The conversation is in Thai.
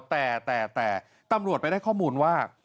แต่แต่ตำรวจไปได้ข้อมูลว่า